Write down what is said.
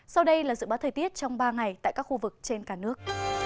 sau đây là dự báo thời tiết trong ba ngày tại các khu vực trên cả nước